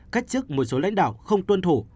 cách chức một số lãnh đạo không tuân thủ